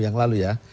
yang lalu ya